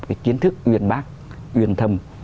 cái kiến thức uyên bác uyên thâm